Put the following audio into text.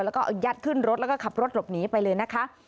แล้วก็เอายัดขึ้นรถแล้วก็ขับรถหลบหนีไปเลยนะคะ